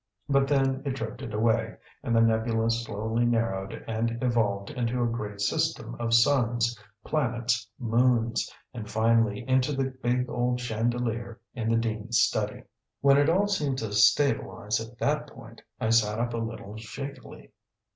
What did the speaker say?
But then it drifted away and the nebula slowly narrowed and evolved into a great system of suns, planets, moons and finally into the big, old chandelier in the dean's study. When it all seemed to stabilize at that point, I sat up a little shakily.